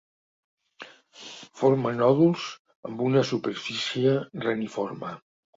Forma nòduls amb una superfície reniforme.